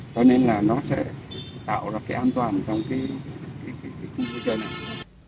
cho nên là nó sẽ tạo ra cái an toàn trong cái